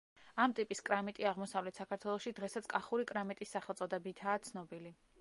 ამ ტიპის კრამიტი აღმოსავლეთ საქართველოში დღესაც კახური კრამიტის სახელწოდებითაა ცნობილი.